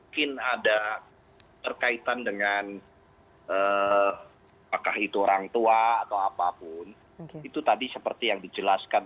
seperti tadi yang sudah dijelaskan